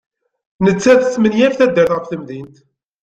Nettat tesmenyaf taddart ɣef temdint.